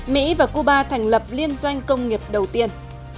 mỹ và cuba thành lập liên doanh công nghiệp đầu tiên